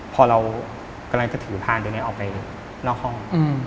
พอเรากำลังจะถือพานเดี๋ยวนี้ออกไปนอกห้อง